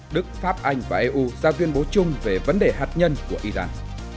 đức pháp anh và eu ra tuyên bố chung về vấn đề hạt nhân của iran